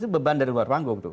itu beban dari luar panggung tuh